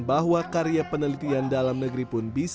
bahwa karya penelitian dalam negeri pun bisa